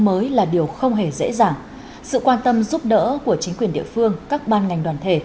mới là điều không hề dễ dàng sự quan tâm giúp đỡ của chính quyền địa phương các ban ngành đoàn thể